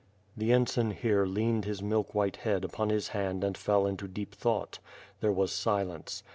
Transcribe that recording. ..." The ensign here leaned his milk white head upon his hand and fell into deep thought. There was silence.